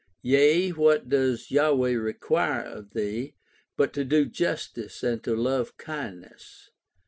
Yea, what does Yahweh require of thee, But to do justice and to love kindness.